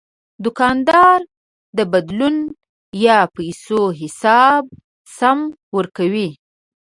دوکاندار د بدلون یا پیسو حساب سم ورکوي.